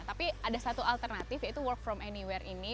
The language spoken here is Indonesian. tapi ada satu alternatif yaitu work from anywhere ini